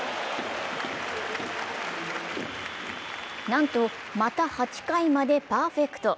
なんと、また８回までパーフェクト。